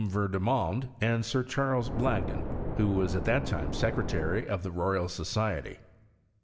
Vandermonde, and Sir Charles Blagden, who was at that time secretary of the Royal Society.